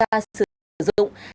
và tham gia sử dụng